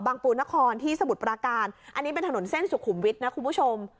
ปูนครที่สมุทรปราการอันนี้เป็นถนนเส้นสุขุมวิทย์นะคุณผู้ชม